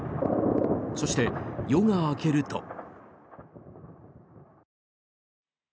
そして、夜が明けると。